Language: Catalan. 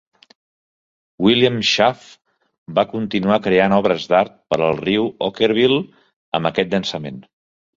William Schaff va continuar creant obres d'art per al riu Okkervil amb aquest llançament.